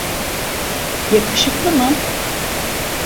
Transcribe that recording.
Yakışıklı mı?